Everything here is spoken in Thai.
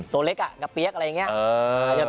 ตัวเล็กกับเปี๊ยกอะไรอย่างนี้